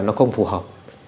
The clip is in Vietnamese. nó không phù hợp